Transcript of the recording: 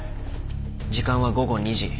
時間は午後２時。